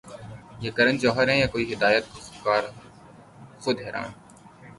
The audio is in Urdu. یہ کرن جوہر ہیں یا کوئی اور ہدایت کار خود حیران